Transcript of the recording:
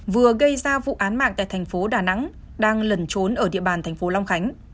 vừa gây ra vụ án mạng tại thành phố đà nẵng đang lẩn trốn ở địa bàn thành phố long khánh